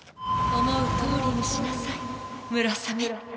思うとおりにしなさいムラサメ。